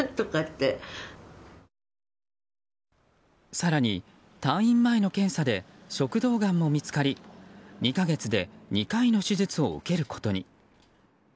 更に、退院前の検査で食道がんも見つかり２か月で２回の手術を受けることに。